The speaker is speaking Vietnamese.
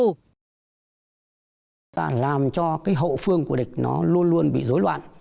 chúng ta làm cho cái hậu phương của địch nó luôn luôn bị rối loạn